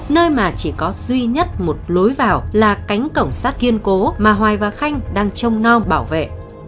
nơi mà chỉ có duy nhất một lối vào là cánh cổng sát kiên cố mà hoài và khanh đang trông non bảo vệ